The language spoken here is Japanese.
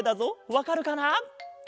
わかるかな？